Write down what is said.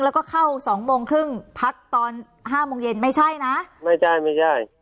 แล้วก็เข้าสองโมงครึ่งพักตอนห้าโมงเย็นไม่ใช่นะไม่ใช่ไม่ใช่